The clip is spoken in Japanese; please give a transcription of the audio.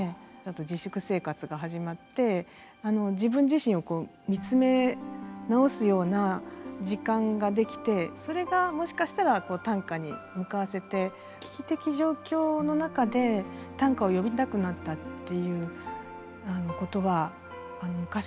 自粛生活が始まって自分自身を見つめ直すような時間ができてそれがもしかしたら短歌に向かわせて危機的状況の中で短歌を詠みたくなったっていうことは昔からあるんですよね。